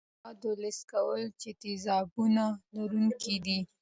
د خوراکي موادو لست کول چې د تیزابونو لرونکي دي.